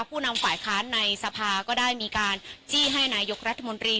ผู้นำฝ่ายค้านในสภาก็ได้มีการจี้ให้นายกรัฐมนตรี